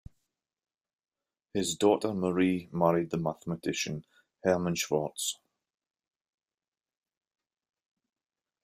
His daughter Marie married the mathematician Hermann Schwarz.